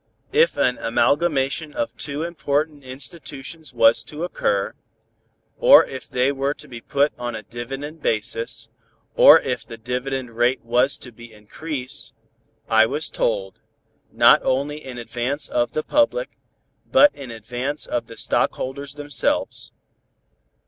If an amalgamation of two important institutions was to occur, or if they were to be put upon a dividend basis, or if the dividend rate was to be increased, I was told, not only in advance of the public, but in advance of the stockholders themselves.